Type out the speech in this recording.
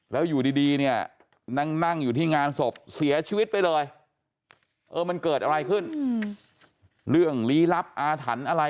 แล้วอยู่ดีเนี่ยนั่งอยู่ที่งานศพเสียชีวิตไปเลยเออมันเกิดอะไรขึ้นเรื่องลี้ลับอาถรรพ์อะไร